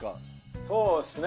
そうっすね